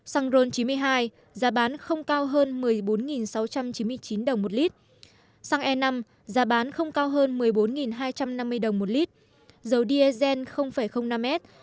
xăng ron chín mươi hai giá bán không cao hơn một mươi bốn sáu trăm chín mươi chín đồng một lít xăng e năm giá bán không cao hơn một mươi bốn hai trăm năm mươi đồng một lít dầu diesel năm m giá bán không cao hơn một mươi bốn sáu trăm chín mươi chín đồng một lít